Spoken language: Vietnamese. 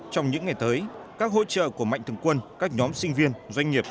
trong những ngày tới các hỗ trợ của mạnh thường quân các nhóm sinh viên doanh nghiệp